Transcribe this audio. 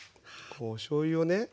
おしょうゆをね。